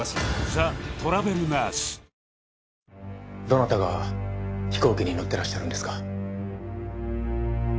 どなたが飛行機に乗ってらっしゃるんですか？